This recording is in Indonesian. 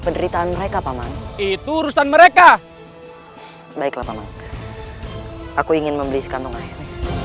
penderitaan mereka paman itu urusan mereka baiklah paman aku ingin membeli sekantung air